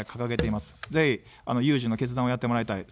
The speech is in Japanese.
ぜひ有事の決断をやってもらいたい。